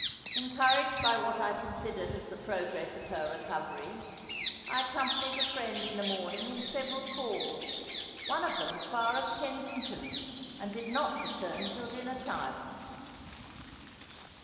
Encouraged by what I considered as the progress of her recovery, I accompanied a friend in the morning in several calls, one of them as far as Kensington, and did not return till dinner time.